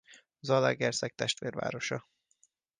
Zalaegerszeg testvérvárosa.